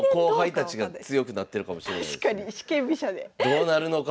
どうなるのか。